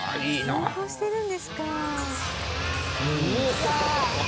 羽田：運行してるんですか！